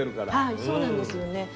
はいそうなんですよね。